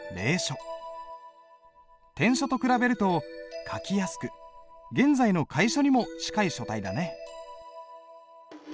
篆書と比べると書きやすく現在の楷書にも近い書体だね。